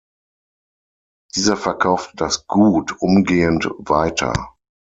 Dieser verkaufte das Gut umgehend weiter.